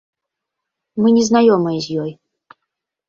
Мы не знаёмыя з ёй.